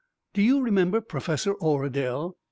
"Do you remember Professor Oradel?